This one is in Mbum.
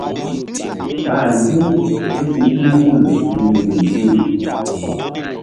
Ɓa ŋgi̧ u ké si tul hul hi̧ nzukri pi.